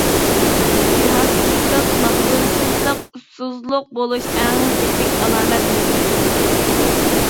ئىشتىھاسىزلىق، ماغدۇرسىزلىق، ئۇسسۇزلۇق بولۇش ئەڭ تىپىك ئالامەت ھېسابلىنىدۇ.